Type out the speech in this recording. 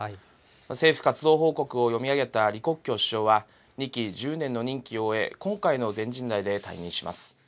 政府活動報告を読み上げた李克強首相は、２期１０年の任期を終え、今回の全人代で退任します。